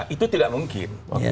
itu tidak mungkin